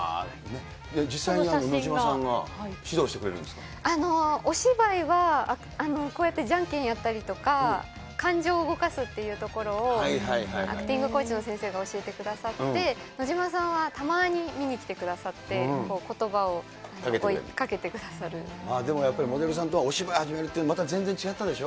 実際に野島さんが指導してくお芝居はこうやってじゃんけんやったりとか、感情を動かすっていうところをアクティングコーチの先生が教えてくださって、野島さんはたまに見に来てくださって、ことばをかけでもやっぱり、モデルさんとはお芝居始めるって、また全然違ったでしょ。